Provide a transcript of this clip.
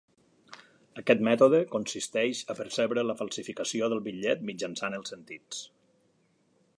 Aquest mètode consisteix a percebre la falsificació del bitllet mitjançant els sentits.